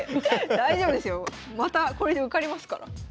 大丈夫ですよまたこれで受かりますから。